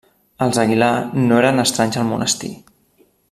Els Aguilar no eren estranys al monestir.